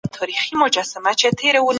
په نورو احاديثو کي راځي.